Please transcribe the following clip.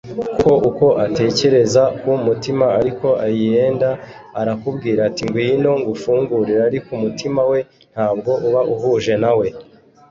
kuko uko atekereza ku mutima ari ko ariyenda arakubwira ati “ngwino ngufungurire”,ariko umutima we ntabwo uba uhuje nawe